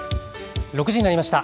６時になりました。